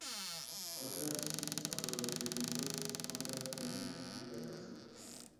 Otros aprovechamientos son las leñas y la caza.